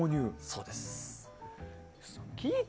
そうです。